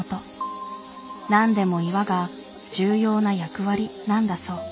なんでも岩が重要な役割なんだそう。